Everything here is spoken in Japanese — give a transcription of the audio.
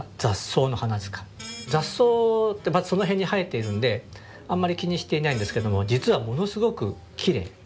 雑草ってその辺に生えているんであんまり気にしていないんですけども実はものすごくきれい。